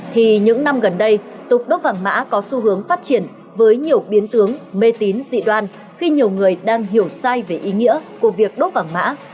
thì những năm gần đây tục đốt vàng mã có xu hướng phát triển với nhiều biến tướng mê tín dị đoan khi nhiều người đang hiểu sai về ý nghĩa của việc đốt vàng mã